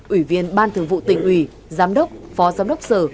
ủy viên ban thường vụ tỉnh ủy giám đốc phó giám đốc sở